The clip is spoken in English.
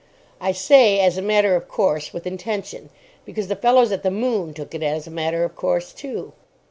I say, "as a matter of course" with intention, because the fellows at the "Moon" took it as a matter of course, too.